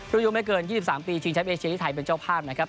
รุ่นยุ่งไม่เกิน๒๓ปีชิงชัพเอเชียรี่ไทยเป็นเจ้าภาพหน่อยครับ